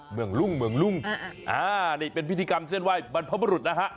เมืองรุ่งเมืองลุงนี่เป็นพิธีกรรมเส้นไหว้บรรพบรุษนะฮะ